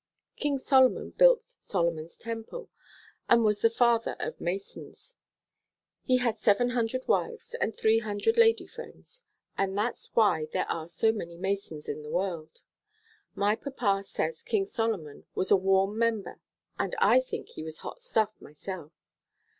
King Solomon built Solomon's Temple and was the father of Masons. He had seven hundred wives and three hundred lady friends, and that's why there are so many Masons in the world. My papa says King Solomon was a warm member and I think he was hot stuff myself.